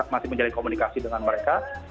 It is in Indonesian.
masih menjalin komunikasi dengan mereka